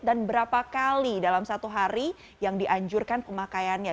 dan berapa kali dalam satu hari yang dianjurkan pemakaiannya